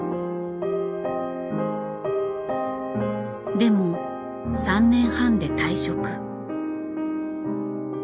でも３年半で退職。